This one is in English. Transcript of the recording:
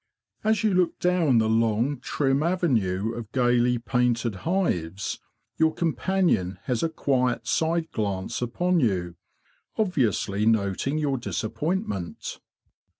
: As you look down the long, trim avenue of gaily painted hives your companion has a quiet side glance upon you, obviously noting your disappointment.